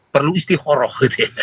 perlu istri horoh